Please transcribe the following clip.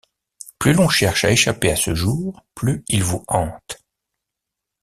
Plus l'on cherche à échapper à ce jour plus il vous hante.